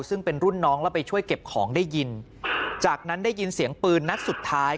ซึ่งเป็นรุ่นน้องแล้วไปช่วยเก็บของได้ยินจากนั้นได้ยินเสียงปืนนัดสุดท้าย